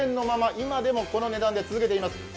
今でもこの値段で続けています。